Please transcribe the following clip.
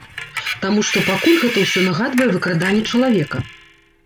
Таму што пакуль гэта ўсё нагадвае выкраданне чалавека.